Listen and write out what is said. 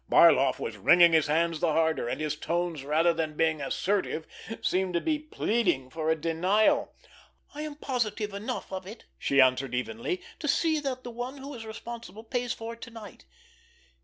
Barloff was wringing his hands the harder; and his tones, rather than being assertive, seemed to be pleading for a denial. "I am positive enough of it," she answered evenly, "to see that the one who is responsible pays for it to night!